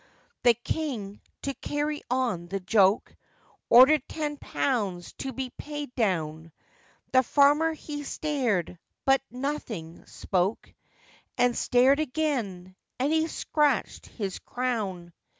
The king, to carry on the joke, Ordered ten pounds to be paid down; The farmer he stared, but nothing spoke, And stared again, and he scratched his crown.